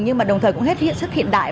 nhưng mà đồng thời cũng hết sức hiện đại